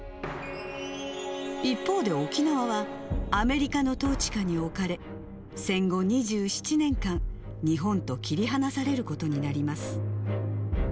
一方で沖縄は、アメリカの統治下に置かれ、戦後２７年間、日本と切り離されることになります。